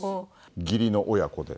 義理の親子で。